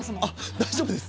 大丈夫ですか？